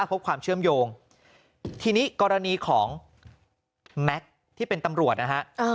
พบความเชื่อมโยงทีนี้กรณีของแม็กซ์ที่เป็นตำรวจนะฮะ